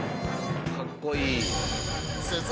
かっこいい。